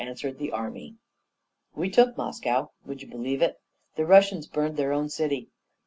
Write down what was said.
answered the army. "We took Moscow. Would you believe it? the Russians burned their own city!